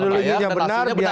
dan hasilnya benar